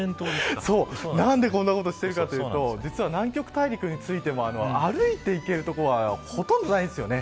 何でこんなことをしているかというと、南極大陸については歩いて行ける所はほとんどないですよね。